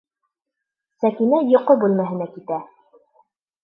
Сәкинә йоҡо бүлмәһенә китә.